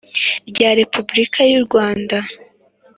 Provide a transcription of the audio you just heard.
rya Repubulika y u Rwanda